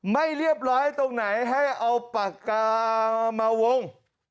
ไม่เรียบร้อยตรงไหนให้เอาปากกามาวง